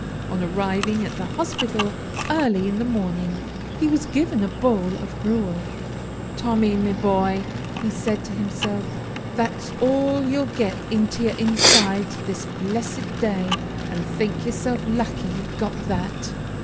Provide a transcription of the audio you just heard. On arriving at the hospital early in the morning, he was given a bowl of gruel. "'Tommy, me boy,' he said to himself, 'that's all you'll get into your inside this blessed day, and think yourself lucky you've got that.'